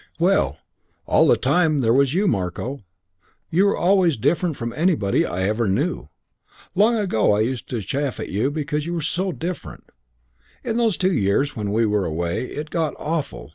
Well, all the time there was you, Marko. You were always different from anybody I ever knew. Long ago I used to chaff you because you were so different. In those two years when we were away it got awful.